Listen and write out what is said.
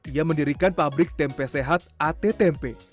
ia mendirikan pabrik tempe sehat at tempe